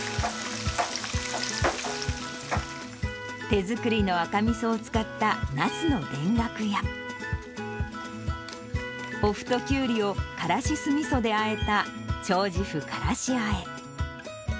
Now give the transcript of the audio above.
手作りの赤みそを使ったなすの田楽や、おふときゅうりをからし酢みそであえたちょうじふからしあえ。